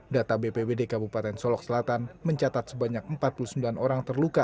data bpwd kabupaten solok selatan mencatat sebanyak empat puluh sembilan orang terluka